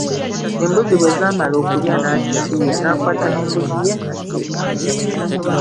Embuzi bwe zaamala okulya n'azisiiya n'akwata n’embuzi ye n’adda eka.